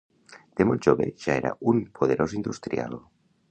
De molt jove ja era un poderós industrial.